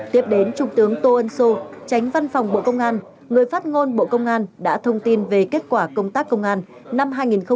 tiếp đến trung tướng tô ân sô tránh văn phòng bộ công an người phát ngôn bộ công an đã thông tin về kết quả công tác công an năm hai nghìn hai mươi ba